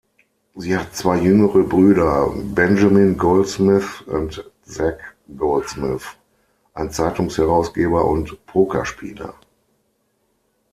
Sie hat zwei jüngere Brüder: Benjamin Goldsmith und Zac Goldsmith, ein Zeitungsherausgeber und Pokerspieler.